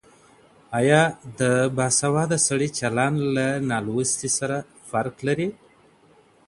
آیا د باسواده سړي چلند له نالوستي سره فرق لري؟